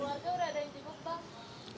keluarga udah ada yang sibuk pak